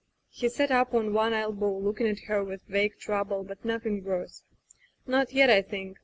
'' He sat up on one elbow looking at her with vague trouble, but nothing worse. "Not yet, I think.